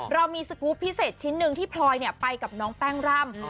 เรามีสกรูปพิเศษชิ้นหนึ่งที่พลอยไปกับน้องแป้งร่ำ